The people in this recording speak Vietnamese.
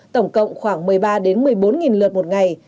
tổng cộng khoảng một mươi ba một mươi bốn lượt một ngày